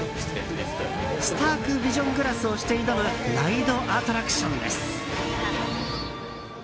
スタークヴィジョン・グラスをして挑むライドアトラクションです。